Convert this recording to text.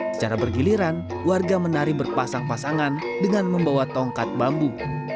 secara bergiliran warga menari berpasang pasangan dengan membawa tongkat bambu